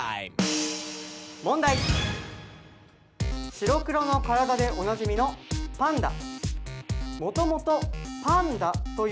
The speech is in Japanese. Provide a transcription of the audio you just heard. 白黒の体でおなじみのパンダ。